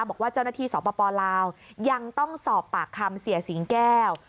บอกว่าเจ้าหน้าที่สปลาวยังต้องสอบปากคำเสียสิงแก้ว